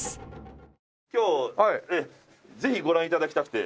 今日ぜひご覧頂きたくて。